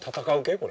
これ。